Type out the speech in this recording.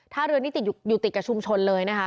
เรือนี้ติดอยู่ติดกับชุมชนเลยนะคะ